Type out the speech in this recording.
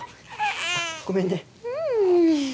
あごめんね